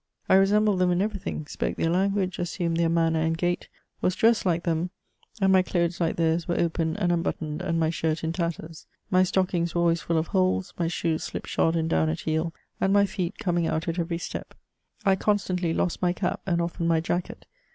I resembled them in everything, spoke their language, assumed their manner and gait, was dressed like them, And my clothes like theirs were open and unbuttoned, and my shirt in tatters. My stockings were always full of holes, my shoes slipshod and down at heel, and my feet coming out at every step. I constantly lost my cap, and often my jacket.